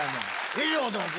以上だぜ。